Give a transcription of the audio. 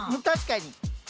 確かに。